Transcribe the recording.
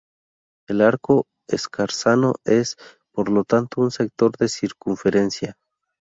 El arco escarzano es, por lo tanto un sector de circunferencia.